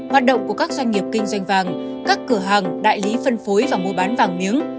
hoạt động của các doanh nghiệp kinh doanh vàng các cửa hàng đại lý phân phối và mua bán vàng miếng